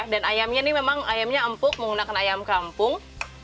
dan ayamnya ini memang empuk menggunakan ayam kampung